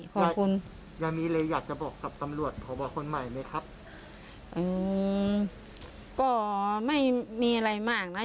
ไม่มีเลยอยากจะบอกทำ้วถูกคนใหม่ไหมครับก็ไม่มีอะไรมากนะ